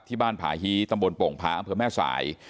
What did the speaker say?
ที่บ้านผาฮีตำบลโป่งผ่าอำเภอแม่ศราย